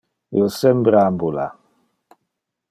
Io sempre ambula.